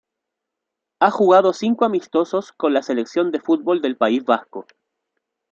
Ha jugado cinco amistosos con la Selección de fútbol del País Vasco.